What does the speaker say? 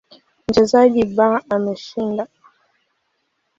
Mchezaji B ameshinda.